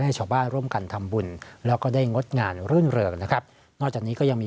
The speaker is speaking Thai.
ให้ชาวบ้านร่วมกันทำบุญแล้วก็ได้งดงานรื่นเริงนะครับนอกจากนี้ก็ยังมี